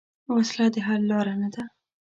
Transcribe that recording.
وسله د حل لار نه ده